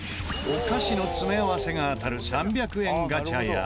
お菓子の詰め合わせが当たる３００円ガチャや。